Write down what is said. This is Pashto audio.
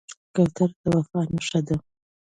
کوتره د وفا نښه ده.